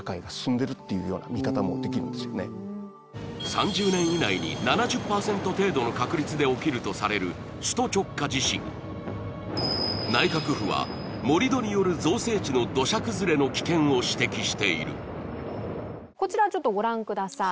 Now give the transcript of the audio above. ３０年以内に７０％程度の確率で起きるとされる首都直下地震内閣府は盛り土による造成地の土砂崩れの危険を指摘しているこちらちょっとご覧ください